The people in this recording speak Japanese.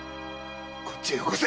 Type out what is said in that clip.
こっちへよこせ！